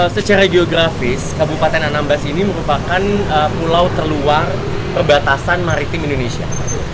secara geografis kabupaten anambas ini merupakan pulau terluar perbatasan maritim indonesia